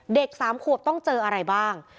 เด็กสามขวบต้องเจออะไรบ้าง